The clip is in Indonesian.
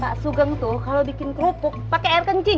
kak sugeng tuh kalau bikin kerupuk pakai air kencing